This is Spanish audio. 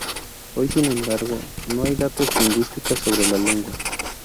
Hoy, sin embargo, no hay datos lingüística sobre la lengua.